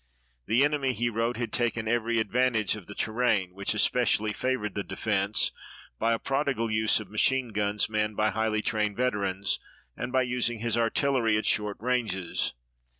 "The enemy," he wrote, "had taken every advantage of the terrain, which especially favored the defense, by a prodigal use of machine guns manned by highly trained veterans, and by using his artillery at short ranges.